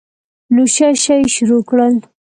نو شه شه یې شروع کړل.